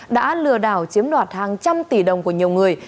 đã lừa đảo chiếm đoạt hàng trăm tỷ đồng của nhiều người